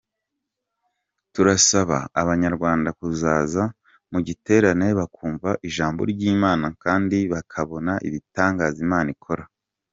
Turasaba abanyarwanda kuzaza mu giterane bakumva ijambo ry’Imana kandi bakabona ibitangaza Imana ikora.